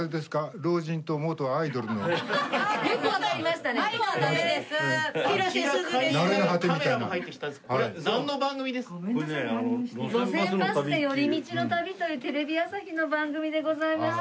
『路線バスで寄り道の旅』というテレビ朝日の番組でございまして。